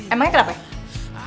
emangnya kenapa ya